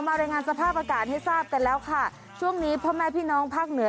รายงานสภาพอากาศให้ทราบกันแล้วค่ะช่วงนี้พ่อแม่พี่น้องภาคเหนือ